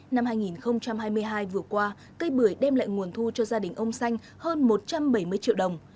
năm hai nghìn hai mươi hai vừa qua cây bưởi đem lại nguồn thu cho gia đình ông xanh hơn một trăm bảy mươi triệu đồng